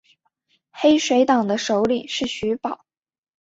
黑水党的首领是徐保。